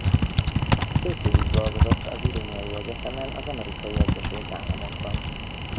Két évig dolgozott az illinoisi egyetemen az Amerikai Egyesült Államokban.